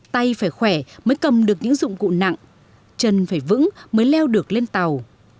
tay phải khỏe mới cầm được những dụng cụ nặng chân phải vững mới leo được lên tàu